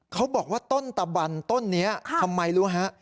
เขาบอกว่าต้นตะบันต้นนี้ทำไมรู้ฮะ